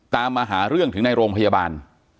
ต่อยอีกต่อยอีกต่อยอีกต่อยอีก